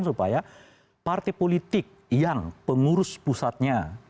supaya partai politik yang pengurus pusatnya